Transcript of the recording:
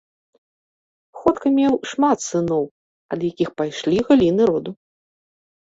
Ходка меў шмат сыноў, ад якіх пайшлі галіны роду.